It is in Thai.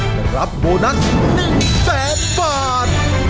จะรับโบนัส๑แสนบาท